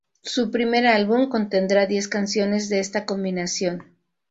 Su primer álbum contendrá diez canciones de esta combinación.